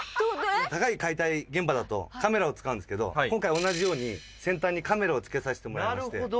高い解体現場だとカメラを使うんですけど今回同じように先端にカメラをつけさせてもらいまして。